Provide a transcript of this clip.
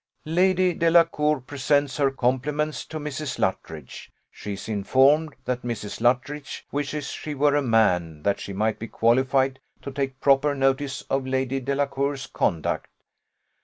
"'Lady Delacour presents her compliments to Mrs. Luttridge she is informed that Mrs. L wishes she were a man, that she might be qualified to take proper notice of Lady D 's conduct.